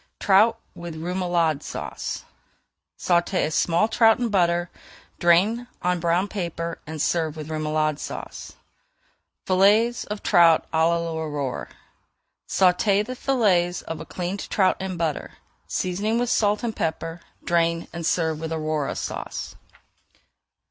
TROUT WITH REMOULADE SAUCE Sauté a small trout in butter, drain on brown paper, and serve with Remoulade Sauce. FILLETS OF TROUT À L'AURORE Sauté the fillets of a cleaned trout in butter, seasoning with salt and pepper. Drain and serve with Aurora Sauce.